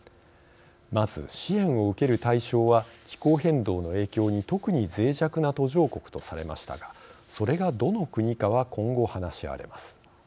まず、支援を受ける対象は気候変動の影響に、特にぜい弱な途上国とされましたがそれが、どの国かは今後、話し合われます。